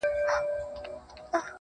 اې لکه ته، يو داسې بله هم سته